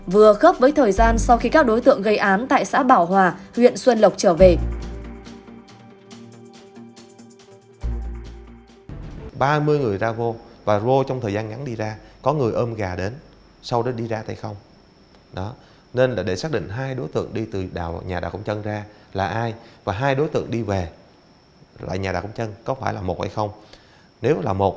vừa khớp với thời gian sau khi các đối tượng gây án tại xã bảo hòa huyện xuân lộc trở về